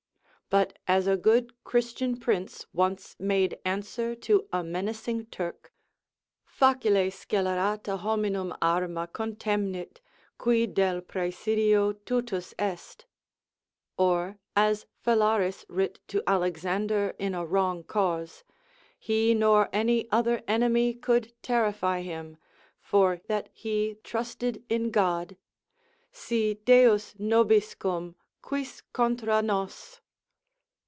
But as a good Christian prince once made answer to a menacing Turk, facile scelerata hominum arma contemnit, qui del praesidio tutus est: or as Phalaris writ to Alexander in a wrong cause, he nor any other enemy could terrify him, for that he trusted in God. Si Deus nobiscum, quis contra nos?